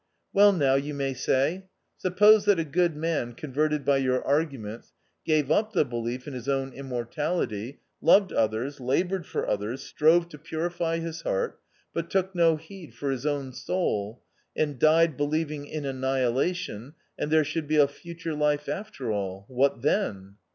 Well now, you might say, " Suppose that a good man, converted by your arguments, gave up the belief in his own immortality, loved others, laboured for others, strove to purify his heart, but took no heed for his own soul, and died believing in annihilation and there should be a future life after all — what then